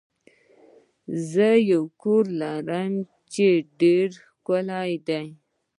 زه یو کور لرم چې ډیر ښکلی دی.